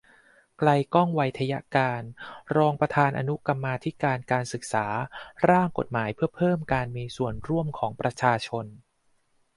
ไกลก้อง ไวทยการ รองประธานอนุกรรมาธิการศึกษา ร่างกฎหมายเพื่อเพิ่มการมีส่วนร่วมของประชาชน